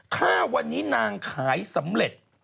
ถ้าวันนี้นางขายสำเร็จ